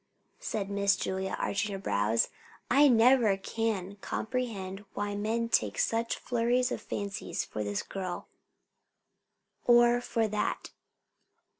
said Miss Julia, arching her brows. "I never can comprehend why the men take such furies of fancies for this girl or for that.